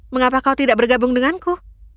mengapa kau tidak bergabung denganku